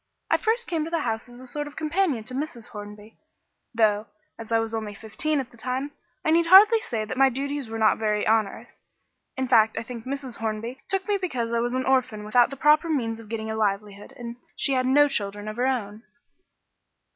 I first came to the house as a sort of companion to Mrs. Hornby, though, as I was only fifteen at the time, I need hardly say that my duties were not very onerous; in fact, I think Mrs. Hornby took me because I was an orphan without the proper means of getting a livelihood, and she had no children of her own.